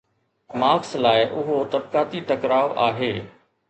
Marx لاءِ اهو طبقاتي ٽڪراءُ آهي.